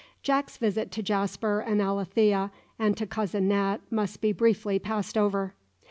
Jack's visit to Jasper and Alethea and to cousin Nat must be briefly passed over.